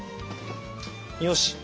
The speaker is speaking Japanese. よし！